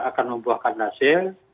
akan membuahkan hasil